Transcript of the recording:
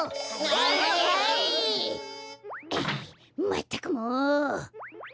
まったくもう！